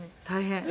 大変。